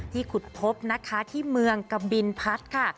ที่ขุดพบนักค้าที่เมืองกบินพัฒน์ค่ะ